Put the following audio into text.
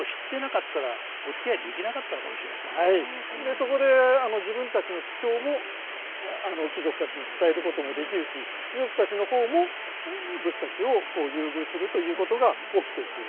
そこで自分たちの主張も貴族たちに伝えることもできるし貴族たちの方も武士たちを優遇するということが起きてくる。